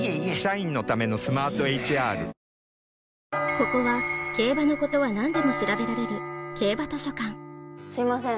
ここは競馬のことはなんでも調べられる競馬図書館すいません